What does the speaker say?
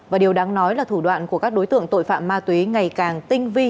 và điều đáng nói là thủ đoạn của các đối tượng tội phạm ma túy ngày càng tinh vi